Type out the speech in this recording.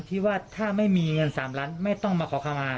ที่ว่าถ้าไม่มีเงิน๓ล้านไม่ต้องมาขอคำมา